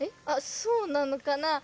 あっそうなのかな。